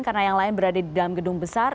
karena yang lain berada di dalam gedung besar